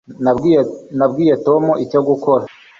nabwiye tom icyo gukora